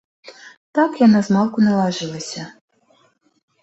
Так яна змалку налажылася.